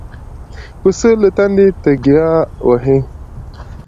پسه له تندې تيګا وهي.